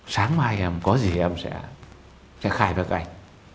sáng mai em có gì em sẽ khai ra cạnh